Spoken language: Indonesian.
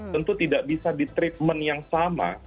tentu tidak bisa di treatment yang sama